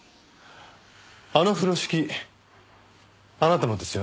あの風呂敷あなたのですよね？